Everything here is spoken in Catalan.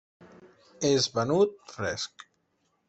És venut fresc.